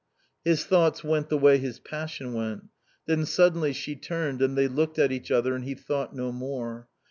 His thoughts went the way his passion went. Then suddenly she turned and they looked at each other and he thought no more.